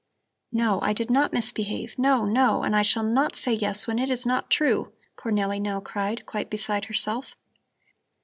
"No, I did not misbehave. No, no! And I shall not say yes when it is not true," Cornelli now cried, quite beside herself.